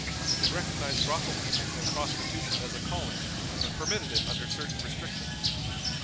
It recognized brothel keeping and prostitution as a calling, and permitted it under certain restrictions.